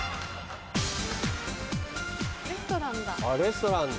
レストランだ。